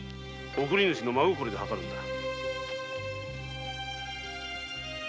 贈り主の真心で計るのだ。